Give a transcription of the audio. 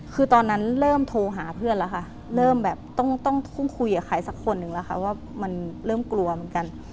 คือตอนนั้นเริ่มโทรหาเพื่อนแล้วค่ะเริ่มแบบต้องคุยกับใครสักคนหนึ่งแล้วค่ะว่ามันเริ่มกลัวเหมือนกัน